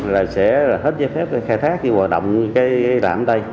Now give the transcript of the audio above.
là sẽ hết giấy phép khai thác hoạt động cái lãm tay